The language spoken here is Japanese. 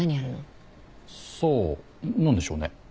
さあ何でしょうね。